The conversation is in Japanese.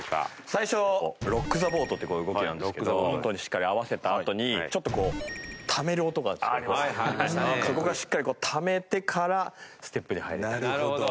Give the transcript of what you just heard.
最初ロックザボートって動きなんですけど音にしっかり合わせたあとにちょっとこうタメる音があるんですけどそこはしっかりタメてからステップに入れると。